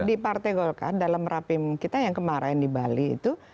di partai golkar dalam rapim kita yang kemarin di bali itu